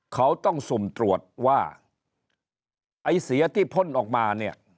เขาต้องสุ่มตรวจว่าไอเสียที่พ่นออกมาเนี่ย